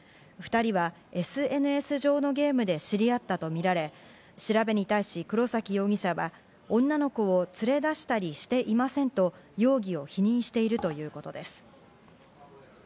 ２人はＳＮＳ上のゲームで知り合ったとみられ、調べに対し黒崎容疑者は、女の子を連れ出したりしていませんと容疑を否認しているということです。